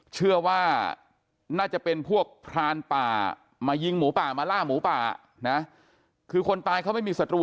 เชื่อว่าน่าจะเป็นพวกพรานป่ามายิงหมูป่ามาล่าหมูป่านะคือคนตายเขาไม่มีศัตรู